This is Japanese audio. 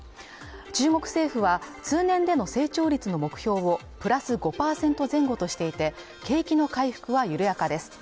中国政府は通年での成長率の目標をプラス５％前後としていて、景気の回復は緩やかです。